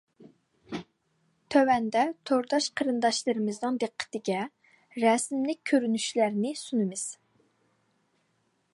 تۆۋەندە تورداش قېرىنداشلىرىمىزنىڭ دىققىتىگە رەسىملىك كۆرۈنۈشلەرنى سۇنىمىز.